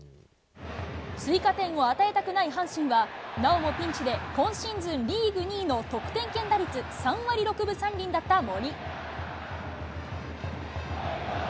追加点を与えたくない阪神は、なおもピンチで、今シーズン、リーグ２位の得点圏打率３割６分３厘だった森。